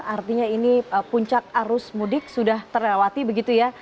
artinya ini puncak arus mudik sudah terlewati begitu ya